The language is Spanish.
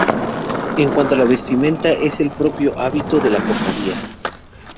En cuanto a la vestimenta es la del propio hábito de la Cofradía.